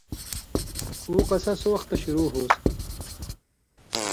اُو قَصہ سو وختہ شروع ہُوسیۡ